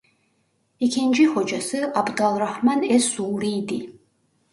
İkinci hocası Abdalrahman es-Suğuri idi.